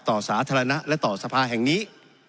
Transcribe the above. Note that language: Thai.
ต่อสาธารณะและต่อสภาแห่งนี้